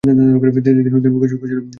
তিনি কৈশোরক পত্রিকার সম্পাদক ছিলেন।